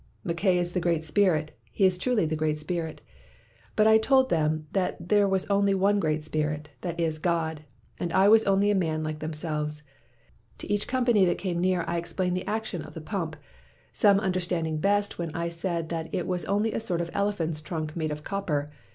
[Mackay is the great spirit, he is truly the great spirit.] But I told them that there was only one great Spirit, that is, God, and I was only a man like themselves. To each company that came near I explained the action of the pump, some understanding best when I said that it was only a sort of elephant's trunk made of copper.